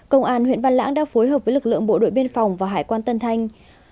công an huyện văn lãng đã phối hợp với lực lượng bộ đội biên phòng và hải quan tân thanh